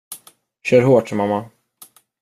Kör hårt, mamma!